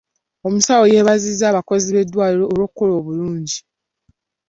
Omusawo yeebazizza abakozi b'eddwaliro olw'okukola obulungi.